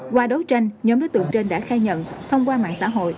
qua đấu tranh nhóm đối tượng trên đã khai nhận thông qua mạng xã hội